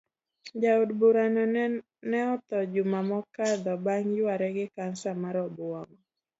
Jaod burano ne otho juma mokadho bang yuare gi cancer mar obuongo.